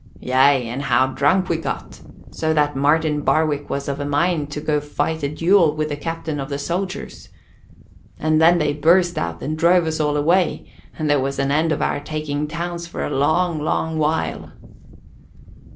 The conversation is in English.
"Yea, and how drunk we got! So that Martin Barwick was of a mind to go fight a duel with the captain of the soldiers. And then they burst out and drove us all away, and there was an end of our taking towns for a long, long while."